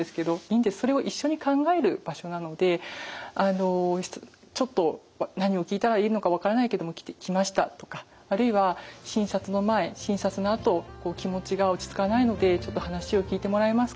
それを一緒に考える場所なのでちょっと何を聞いたらいいのか分からないけども来ましたとかあるいは診察の前診察のあと気持ちが落ち着かないのでちょっと話を聞いてもらえますか？